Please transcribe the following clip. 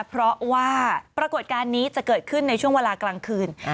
เพราะว่าปรากฏการณ์นี้จะเกิดขึ้นในช่วงเวลากลางคืน